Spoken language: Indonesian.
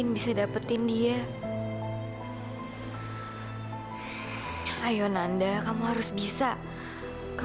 ini hari pertamaotiian saya lebih baik